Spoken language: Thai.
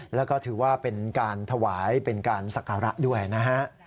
แล้วก็ถือว่าเป็นการถวายเป็นการศักระด้วยนะฮะ